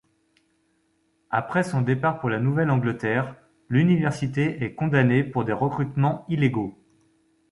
Après son départ pour la Nouvelle-Angleterre, l'université est condamné pour des recrutements illégaux.